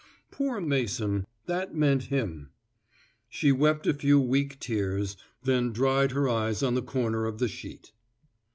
Poor Mason, that meant him. She wept a few weak tears, then dried her eyes on the corner of the sheet.